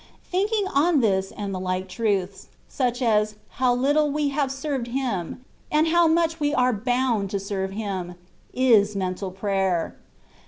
Thinking on this and the like truths, such as, how little we have served Him, and how much we are bound to serve Him, is mental prayer.